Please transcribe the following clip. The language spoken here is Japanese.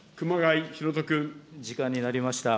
時間になりました。